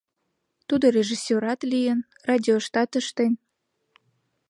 Тудо режиссёрат лийын, радиоштат ыштен.